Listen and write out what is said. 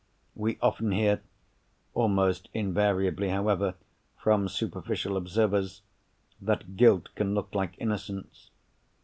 We often hear (almost invariably, however, from superficial observers) that guilt can look like innocence.